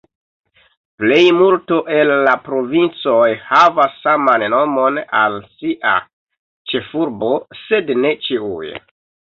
Plejmulto el la provincoj havas saman nomon al sia ĉefurbo, sed ne ĉiuj.